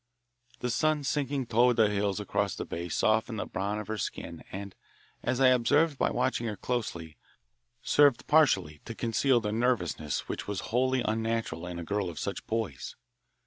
The sun sinking toward the hills across the bay softened the brown of her skin and, as I observed by watching her closely, served partially to conceal the nervousness which was wholly unnatural in a girl of such poise.